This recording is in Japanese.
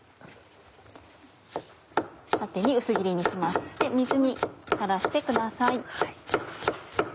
縦に薄切りにしますそして水にさらしてください。